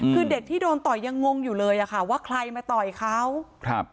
คือเด็กที่โดนต่อยยังงงอยู่เลยอ่ะค่ะว่าใครมาต่อยเขาครับ